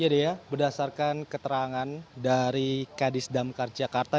ya dea berdasarkan keterangan dari kdsdamkar jakarta